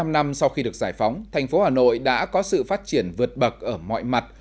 bảy mươi năm năm sau khi được giải phóng thành phố hà nội đã có sự phát triển vượt bậc ở mọi mặt